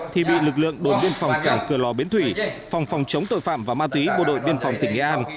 tân phòng cảng cửa lò biến thủy phòng phòng chống tội phạm và ma túy bộ đội biên phòng tỉnh nghệ an